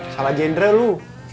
salah genre lo